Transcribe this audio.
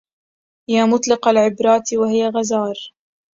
يا مطلق العبرات وهي غزار